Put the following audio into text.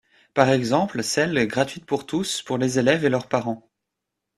par exemple celle, gratuite pour tous, pour les élèves et leurs parents